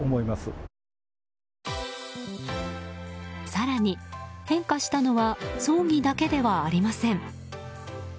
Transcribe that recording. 更に、変化したのは葬儀だけではありません。